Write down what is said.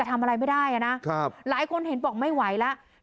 หลายคนเห็นบอกไม่ไหวแล้ว